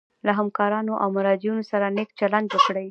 له همکارانو او مراجعینو سره نیک چلند وکړي.